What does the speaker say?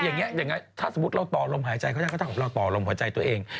อย่างนี้ถ้าสมมุติเราต่อลมหายใจเขาได้ก็ถ้าเราต่อลมหัวใจตัวเอง